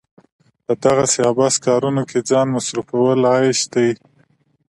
په دغسې عبث کارونو کې ځان مصرفول عيش دی.